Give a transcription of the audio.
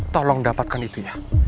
tolong dapatkan itu ya